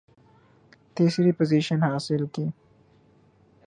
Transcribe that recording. تیسری پوزیشن حاصل کی